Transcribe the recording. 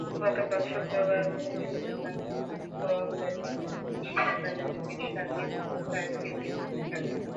গতকাল শুক্রবার ভোরে ঢাকায় বক্ষব্যাধি হাসপাতালে চিকিৎসাধীন অবস্থায় তিনি মারা যান।